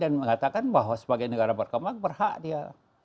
dan mengatakan bahwa sebagai negara berkembang berhak dia